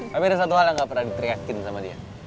tapi ada satu hal yang gak pernah diteriakin sama dia